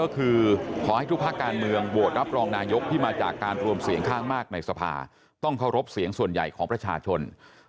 ก็คือขอให้ทุกภาคการเมืองโหวตรับรองนายกที่มาจากการรวมเสียงข้างมากในสภาต้องเคารพเสียงส่วนใหญ่ของประชาชน